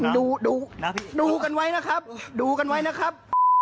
ดูดูกันไว้นะครับ